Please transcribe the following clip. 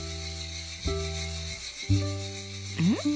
うん？